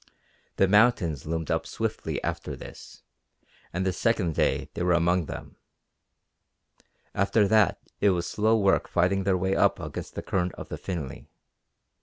The mountains loomed up swiftly after this, and the second day they were among them. After that it was slow work fighting their way up against the current of the Finly.